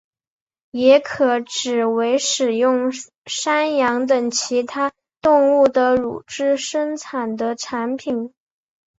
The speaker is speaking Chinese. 也可指为使用山羊等其他动物的乳汁生产的产品。